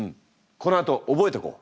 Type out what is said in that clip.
このあと覚えとこう。